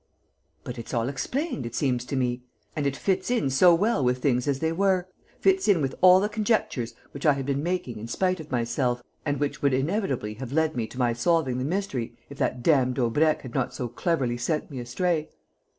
"But it's all explained, it seems to me. And it fits in so well with things as they were, fits in with all the conjectures which I had been making in spite of myself and which would inevitably have led to my solving the mystery, if that damned Daubrecq had not so cleverly sent me astray!